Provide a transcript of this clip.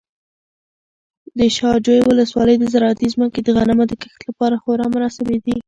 د شاجوی ولسوالۍ زراعتي ځمکې د غنمو د کښت لپاره خورا مناسبې دي.